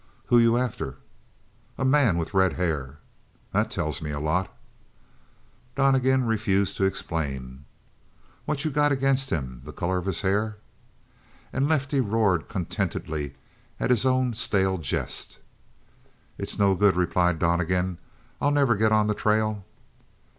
"Who you after?" "A man with red hair." "That tells me a lot." Donnegan refused to explain. "What you got against him the color of his hair?" And Lefty roared contentedly at his own stale jest. "It's no good," replied Donnegan. "I'll never get on the trail."